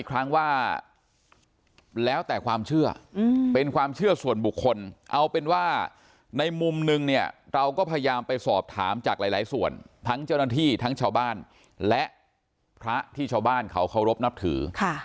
เราก็พยายามไปสอบถามจากหลายส่วนทั้งเจ้าหน้าที่ทั้งชาวบ้านและพระที่ชาวบ้านเขาเค้ารบนับถือ